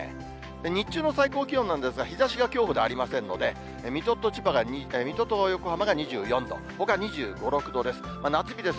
日中の最高気温なんですが、日ざしがきょうほどありませんので、水戸と横浜が２４度、ほか２５、６度です。